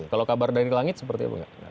kalau kabar dari langit seperti apa enggak